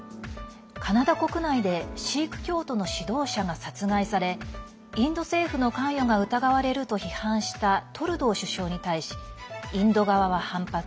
カナダ国内でシーク教徒の指導者が殺害されインド政府の関与が疑われると批判したトルドー首相に対しインド側は反発。